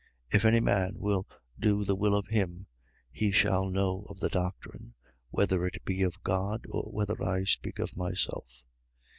7:17. If any man will do the will of him, he shall know of the doctrine, whether it be of God, or whether I speak of myself.